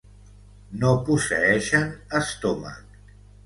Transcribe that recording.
No posseeixen estómac.